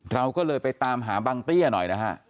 เราก็เลยไปตามหาบางเตี้ยหน่อยนะฮะ